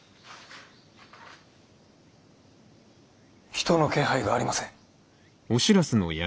人の気配がありません。